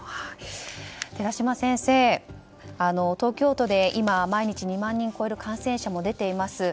寺嶋先生、東京都で今、毎日２万人を超える感染者も出ています。